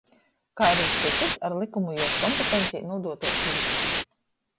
Kai ari cytys ar lykumu juos kompetencē nūdūtuos lītys.